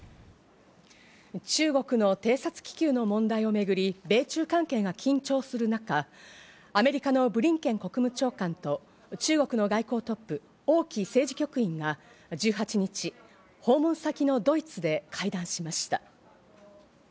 中国の偵察気球の問題をめぐり米中関係が緊張する中、アメリカのブリンケン国務長官と中国の外交トップ、オウ・キ政治局員が１８日、訪問先のドイツで会談しました。